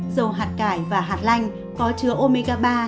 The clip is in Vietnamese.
dầu hạt cải và hạt lanh có chứa omiga ba